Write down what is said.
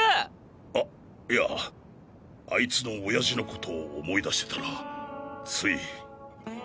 あいやあいつの親父のことを思い出してたらつい。